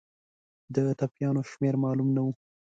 د ټپیانو شمېر معلوم نه وو.